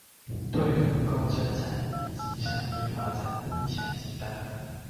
對農工生產以及商業發展影響極大